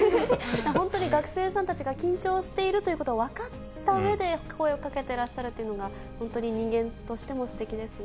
本当に学生さんたちが緊張しているということを分かったうえで声をかけてらっしゃるというのが本当に人間としてもすてきですね。